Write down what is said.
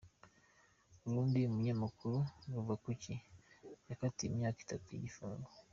Burundi Umunyamakuru Ruvakuki yakatiwe imyaka itatu y’igifungo